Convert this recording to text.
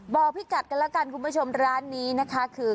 บอกพิกัดกันแล้วคุณผู้ชมร้านนี้คือ